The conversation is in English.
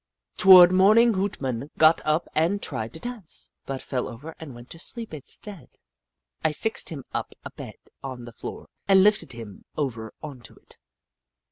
Toward morning Hoot Mon got up and tried to dance, but fell over and went to sleep instead. I fixed him up a bed on the floor and lifted him over on to it.